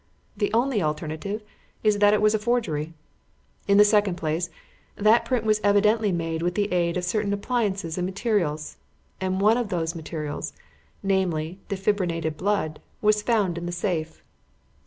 The only alternative is that it was a forgery. "In the second place, that print was evidently made with the aid of certain appliances and materials, and one of those materials, namely defibrinated blood, was found in the safe.